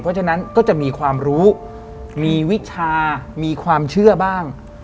เพราะฉะนั้นก็จะมีความรู้มีวิชามีความเชื่อบ้าง